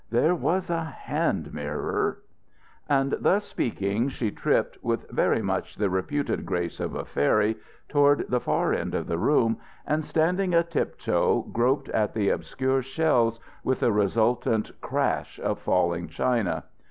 There was a hand mirror " And thus speaking, she tripped, with very much the reputed grace of a fairy, toward the far end of the room, and standing a tiptoe, groped at the obscure shelves, with a resultant crash of falling china.